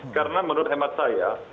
karena menurut hemat saya